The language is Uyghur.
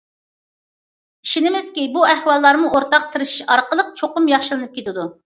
ئىشىنىمىزكى، بۇ ئەھۋاللارمۇ ئورتاق تىرىشىش ئارقىلىق چوقۇم ياخشىلىنىپ كېتىدۇ.